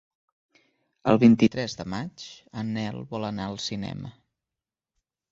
El vint-i-tres de maig en Nel vol anar al cinema.